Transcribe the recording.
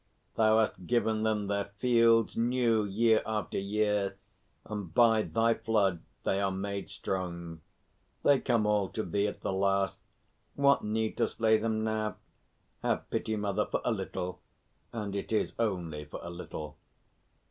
Thou hast given them their fields new year after year, and by thy flood they are made strong. They come all to thee at the last. What need to slay them now? Have pity, mother, for a little and it is only for a little."